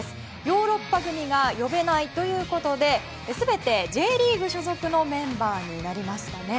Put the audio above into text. ヨーロッパ組が呼べないということで全てＪリーグ所属のメンバーになりましたね。